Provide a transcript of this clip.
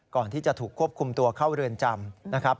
ก่อนที่จะถูกควบคุมตัวเข้าเรือนจำนะครับ